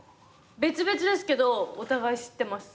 別々ですけどお互い知ってます。